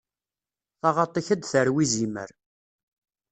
Taɣaṭ-ik ad d-tarew izimer.